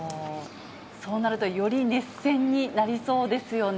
そうなるとより熱戦になりそうですよね。